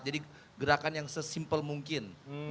jadi gerakan yang sesimple mungkin